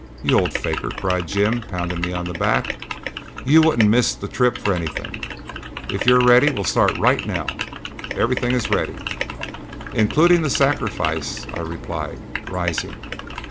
"You old faker!" cried Jim, pounding me on the back. "You wouldn't miss the trip for anything. If you're ready we'll start right now. Everything is ready." "Including the sacrifice," I replied, rising.